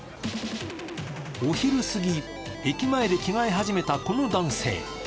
お昼過ぎ、駅前で着替え始めたこの男性。